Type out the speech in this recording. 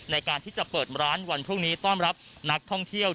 ในการที่จะเปิดร้านวันพรุ่งนี้ต้อนรับนักท่องเที่ยว